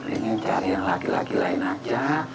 ingin cari yang laki laki lain aja